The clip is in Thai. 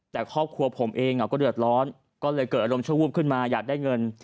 แต่ครอบครัวผมเองก็เดือดร้อนก็เลยเกิดอารมณ์ชั่ววูบขึ้นมาอยากได้เงิน